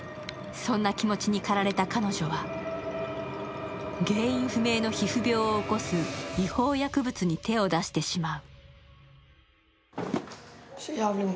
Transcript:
そんな気持ちにかられた彼女は原因不明の皮膚病を起こす違法薬物に手を出してしまう。